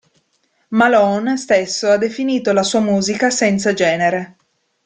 Malone stesso ha definito la sua musica "senza genere".